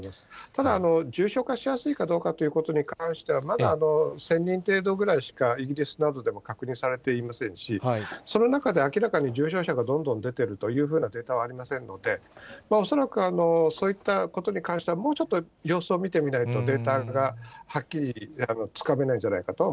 ただ、重症化しやすいかどうかということに関しては、まだ１０００人程度ぐらいしかイギリスなどでも確認されていませんし、その中で明らかに重症者がどんどん出ているというふうなデータはありませんので、恐らくそういったことに関しては、もうちょっと様子を見てみないと、データがはっきりつかめないんじ